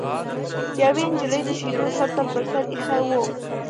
یوې نجلۍ د شیدو سطل په سر ایښی و.